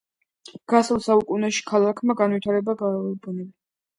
გასულ საუკუნეში ქალაქმა განივითარა გარეუბნები.